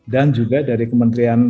dan juga dari kementerian